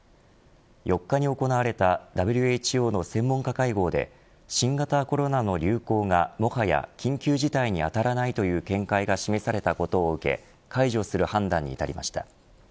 ４日に行われたＷＨＯの専門家会合で新型コロナの流行がもはや緊急事態に当たらないという見解が示されたことを受け解除する判断に至りました。